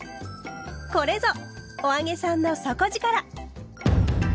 これぞ「“お揚げさん”の底力！」。